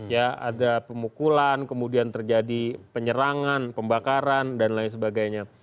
ya ada pemukulan kemudian terjadi penyerangan pembakaran dan lain sebagainya